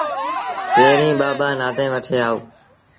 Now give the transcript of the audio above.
پيريٚݩ ٻآ ٻآ نآديٚݩ وٺي آئو۔